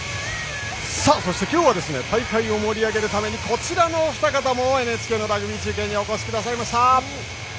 そして今日は大会を盛り上げるためにこちらのお二方もＮＨＫのラグビー中継にお越しくださいました。